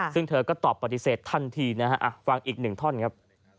ซึ่งเธอก็ตอบปฏิเสธทันทีนะฮะฟังอีกหนึ่งท่อนครับ